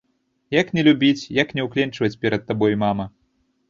Як не любіць, як не ўкленчваць перад табой, мама?!